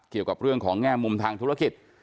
เกี่ยวกับเรื่องของแง่มุมทางธุรกิจ